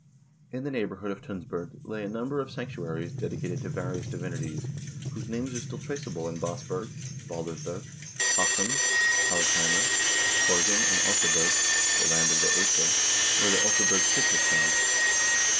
In the neighborhood of Tunsberg lay a number of sanctuaries, dedicated to various divinities, whose names are still traceable in Basberg (Baldersberg), Hassum (Ha<5sheimr), Horgen, and Oseberg (the land of the iEsir), where the Oseberg ship was found.